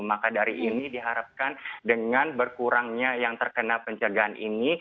maka dari ini diharapkan dengan berkurangnya yang terkena pencegahan ini